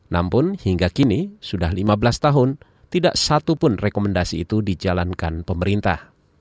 namun hingga kini sudah lima belas tahun tidak satupun rekomendasi itu dijalankan pemerintah